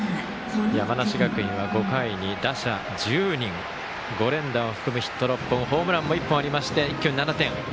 山梨学院は５回に打者１０人５連打を含むヒット１０本ホームランもあって一挙に７点。